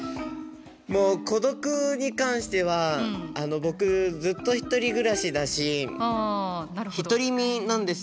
もう孤独に関しては僕ずっと１人暮らしだし独り身なんですよね。